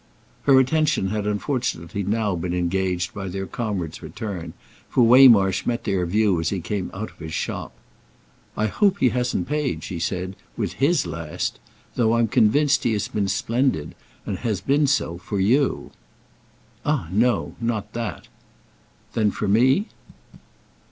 Her attention had unfortunately now been engaged by their comrade's return, for Waymarsh met their view as he came out of his shop. "I hope he hasn't paid," she said, "with his last; though I'm convinced he has been splendid, and has been so for you." "Ah no—not that!" "Then for me?"